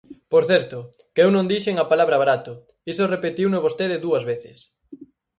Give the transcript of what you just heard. Por certo, que eu non dixen a palabra barato, iso repetiuno vostede dúas veces.